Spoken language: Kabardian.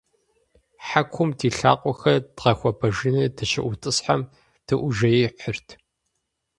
Хьэкум ди лъакъуэхэр дгъэхуэбэжыну дыщыӏутӀысхьэм, дыӏужеихьырт.